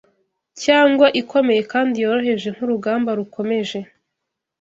cyangwa ikomeye kandi yoroheje nkurugamba rukomeje